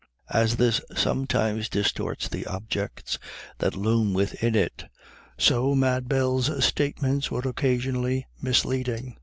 As this sometimes distorts the objects that loom within it, so Mad Bell's statements were occasionally misleading.